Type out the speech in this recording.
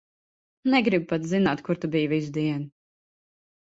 Negribu pat zināt, kur tu biji visu dienu.